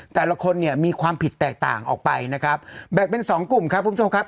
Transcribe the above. แต่ละคนเนี่ยมีความผิดแตกต่างออกไปนะครับแบ่งเป็นสองกลุ่มครับคุณผู้ชมครับ